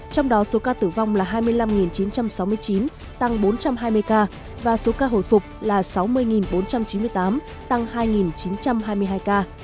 trong đó số ca tử vong là hai mươi năm chín trăm sáu mươi chín tăng bốn trăm hai mươi ca và số ca hồi phục là sáu mươi bốn trăm chín mươi tám tăng hai chín trăm hai mươi hai ca